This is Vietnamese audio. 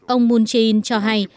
ông moon jin cho hay